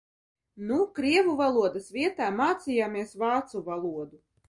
Nu krievu valodas vietā mācījāmies vācu valodu.